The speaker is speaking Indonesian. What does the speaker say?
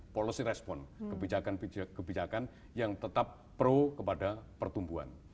policy response kebijakan kebijakan yang tetap pro kepada pertumbuhan